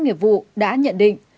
nghiệp vụ đã nhận định